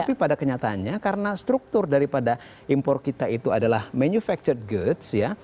nah itu ada kenyataannya karena struktur daripada impor kita itu adalah manufactured goods ya